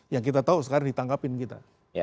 yang kita tahu sekarang ditangkapin kita